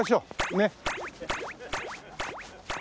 ねっ。